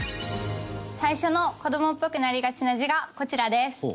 最初の子どもっぽくなりがちな字がこちらです。